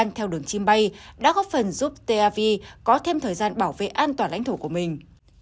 theo đường chim bay đã góp phần giúp teviv có thêm thời gian bảo vệ an toàn lãnh thổ của mình